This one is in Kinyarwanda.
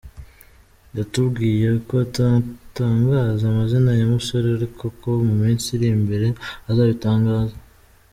Yatubwiye ko atatangaza amazina y’umusore ariko ko mu minsi iri imbere azabitangaza.